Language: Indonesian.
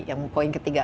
yang poin ketiga